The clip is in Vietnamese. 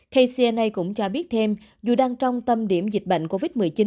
kcna cũng cho biết thêm dù đang trong tâm điểm dịch bệnh covid một mươi chín